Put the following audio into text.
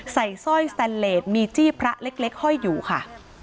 สร้อยสแตนเลสมีจี้พระเล็กห้อยอยู่ค่ะ